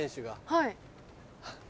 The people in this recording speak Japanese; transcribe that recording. はい。